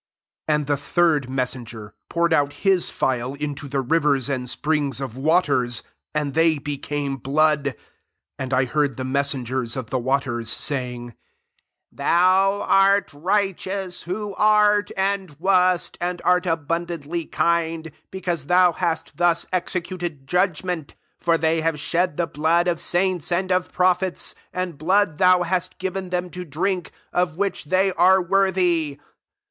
4 And the third meaaenger poured out his phial into the rivers and springs of waters; and they became blood. 5 And I heard the messengers of the waters saying; " Thou art righ 'teous, who art, and wast, and art abundantly kind, because tho!| hast thus executed judg ment : 6 for they have shed the blood of saints and of prophets, and blood thou hast given them to drink: of which they are worthy.